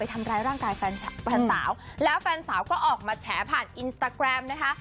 ทำร้ายร่างกายแฟนสาวแล้วแฟนสาวก็ออกมาแฉผ่านอินสตาแกรมนะคะ